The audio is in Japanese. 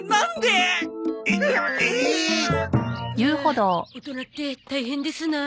あ大人って大変ですな。